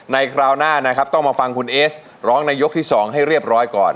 คราวหน้านะครับต้องมาฟังคุณเอสร้องในยกที่๒ให้เรียบร้อยก่อน